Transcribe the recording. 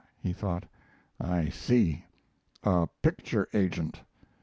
he thought, "I see. A picture agent.